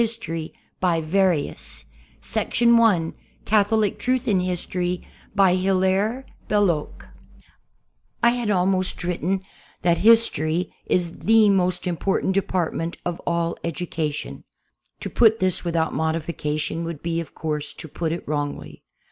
|i!gtorp THE AMERICA PRESS NEW YORK Catholic Truth in History HiLAIRE BeLLOC From the London ''Tablet'' 1HAD almost written that history is the most important department of all education. To put this without modi fication would be, of course, to put it wrongly.